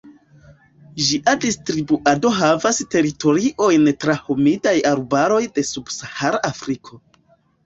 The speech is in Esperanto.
Ĝia distribuado havas teritoriojn tra humidaj arbaroj de subsahara Afriko.